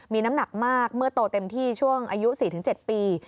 มีน้ำหนักมากเมื่อโตเต็มที่ช่วงอายุ๔๗ปี